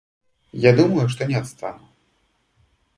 Я думаю, что не отстану....